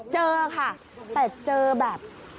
เจอค่ะแต่เจอแบบ